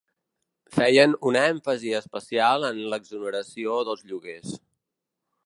Feien un èmfasi especial en l’exoneració dels lloguers.